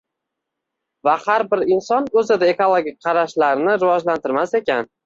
va har bir inson o‘zida ekologik qarashlarni rivojlantirmas ekan